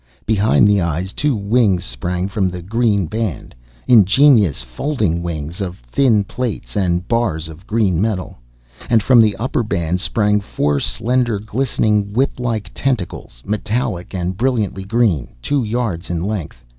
Behind the eyes, two wings sprang from the green band. Ingenious, folding wings, of thin plates and bars of green metal. And from the upper band sprang four slender, glistening, whip like tentacles, metallic and brilliantly green, two yards in length.